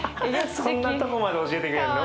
そんなとこまで教えてくれるの？